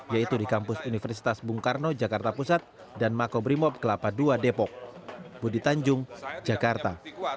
yaitu di kampus universitas bung karno jakarta pusat dan makobrimob kelapa ii depok budi tanjung jakarta